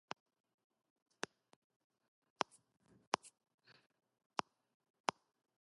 And the wind was soft and warm and wet.